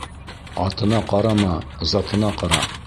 Атына ҡарама, затына ҡара.